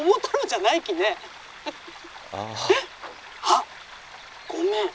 「あっごめん。